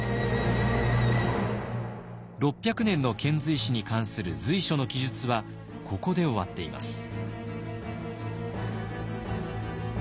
６００年の遣隋使に関する「隋書」の記述はここで終わっています。